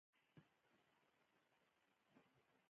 خو لیسټرډ د مجسمو ماتول مهم نه ګڼل.